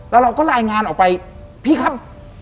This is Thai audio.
แล้วเราก็รายงานออกไปพี่ครับ